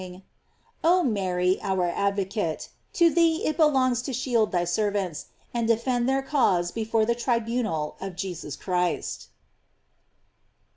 ing: Oh Mary, our advocate, to thee it belongs to shield thy servants, and defend their cause be fore the tribunal of Jesus Christ.